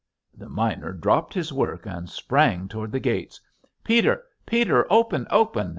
The miner dropped his work and sprang toward the gates. "Peter, Peter, open, open!